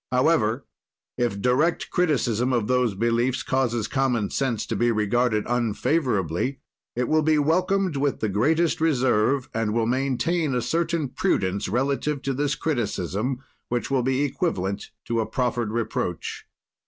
"However, if direct criticism of those beliefs causes common sense to be regarded unfavorably, it will be welcomed with the greatest reserve and will maintain a certain prudence relative to this criticism, which will be equivalent to a proffered reproach.